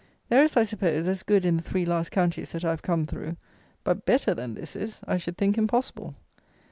There is, I suppose, as good in the three last counties that I have come through; but better than this is, I should think, impossible.